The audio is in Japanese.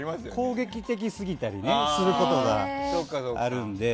攻撃的すぎたりすることがあるので。